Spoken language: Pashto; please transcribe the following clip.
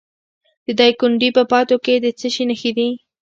د دایکنډي په پاتو کې د څه شي نښې دي؟